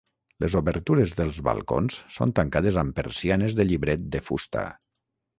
Les obertures dels balcons són tancades amb persianes de llibret de fusta.